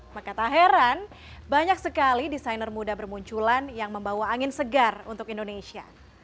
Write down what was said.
maka tak heran banyak sekali desainer muda bermunculan yang membawa angin segar untuk indonesia